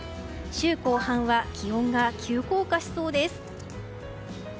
週後半は気温が急降下しそうです。